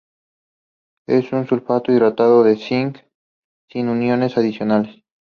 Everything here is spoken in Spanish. Es un sulfato hidratado de cinc, sin aniones adicionales.